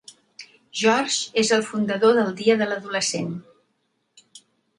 George és el fundador del dia de l'adolescent.